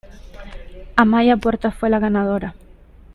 Amaia Puertas fue la ganadora.